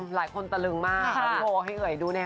หลายคนตะลึงมากว่าให้เอ๋ยดูแน่ค่ะ